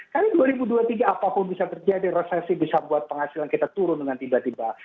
karena dua ribu dua puluh tiga apapun bisa terjadi resesi bisa buat penghasilan kita turun dengan tiba tiba